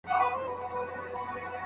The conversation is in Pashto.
بیا د بېرته ویده کېدو هڅه کوي.